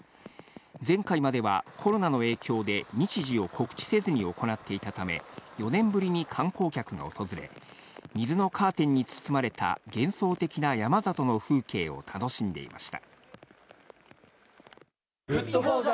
前回まではコロナの影響で日時を告知せずに行っていたため、４年ぶりに観光客が訪れ、水のカーテンに包まれた幻想的な山里の風景を楽しんでいました。